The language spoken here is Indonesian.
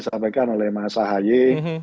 disampaikan oleh mas hayi